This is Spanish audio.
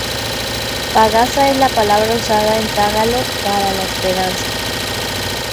Pagasa es la palabra usada en tagalo para la esperanza.